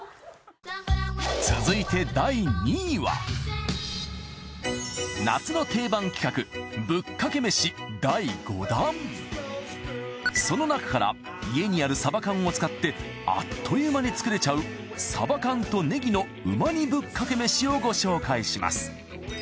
続いて夏の定番企画その中から家にあるサバ缶を使ってあっという間に作れちゃうサバ缶とねぎの旨煮ぶっかけ飯をご紹介します。